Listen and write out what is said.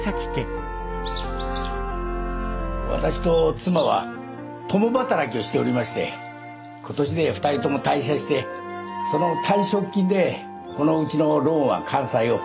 私と妻は共働きをしておりまして今年二人とも退社してその退職金でこのうちのローンは完済を。